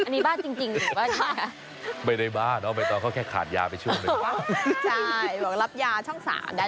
ไม่ได้บ้าเนอะไม่ต้องเค้าแค่ขาดยาไปช่วงหนึ่ง